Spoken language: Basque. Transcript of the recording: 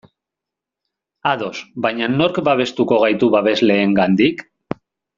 Ados, baina nork babestuko gaitu babesleengandik?